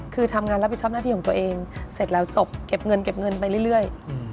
คือทำงานรับผิดชอบหน้าที่ของตัวเองเสร็จแล้วจบเก็บเงินเก็บเงินไปเรื่อย